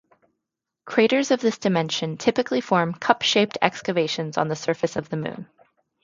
Craters of this dimension typically form cup-shaped excavations on the surface of the Moon.